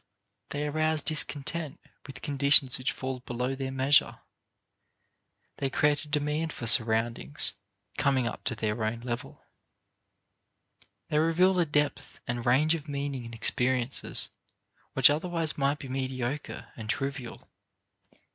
They arouse discontent with conditions which fall below their measure; they create a demand for surroundings coming up to their own level. They reveal a depth and range of meaning in experiences which otherwise might be mediocre and trivial.